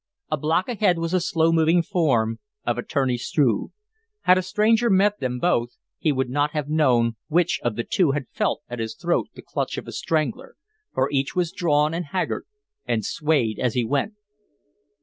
A block ahead was the slow moving form of Attorney Struve. Had a stranger met them both he would not have known which of the two had felt at his throat the clutch of a strangler, for each was drawn and haggard and swayed as he went.